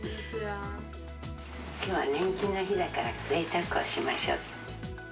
きょうは年金の日だから、ぜいたくをしましょうって。